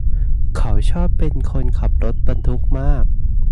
เขาชอบการเป็นคนขับรถบรรทุกมาก